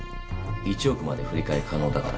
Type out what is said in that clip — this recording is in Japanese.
１億まで振り替え可能だから。